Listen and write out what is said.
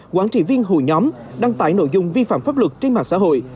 quản trị viên hội nhóm đăng tải nội dung vi phạm pháp luật trên mạng xã hội